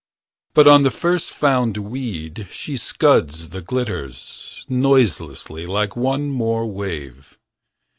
But on the first found weed She scuds the glitters. Noiselessly, like one more wave.